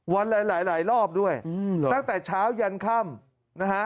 วันหลายรอบด้วยตั้งแต่เช้ายันค่ำ